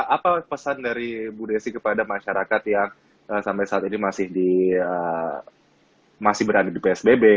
apa pesan dari bu desi kepada masyarakat yang sampai saat ini masih berada di psbb